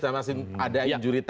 dan masih ada injury time